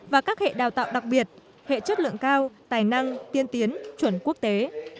và các hệ đào tạo đặc biệt hệ chất lượng cao tài năng tiên tiến chuẩn quốc tế